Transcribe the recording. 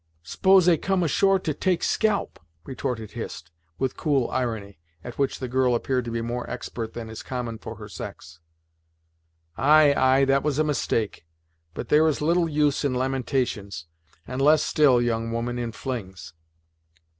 "S'pose 'ey come ashore to take scalp?" retorted Hist, with cool irony, at which the girl appeared to be more expert than is common for her sex. "Ay ay that was a mistake; but there is little use in lamentations, and less still, young woman, in flings."